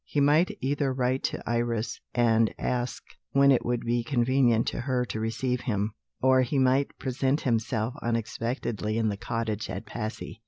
He might either write to Iris, and ask when it would be convenient to her to receive him or he might present himself unexpectedly in the cottage at Passy.